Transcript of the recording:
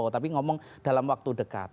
tapi ngomong dalam waktu dekat